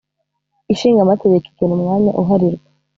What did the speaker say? Ishinga Amategeko igena umwanya uharirwa